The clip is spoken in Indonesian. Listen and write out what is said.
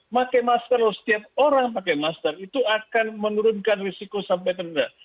pakai masker setiap orang pakai masker itu akan menurunkan risiko sampai terendah